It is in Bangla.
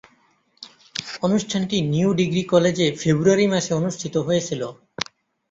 অনুষ্ঠানটি নিউ ডিগ্রি কলেজে ফেব্রুয়ারি মাসে অনুষ্ঠিত হয়েছিলো।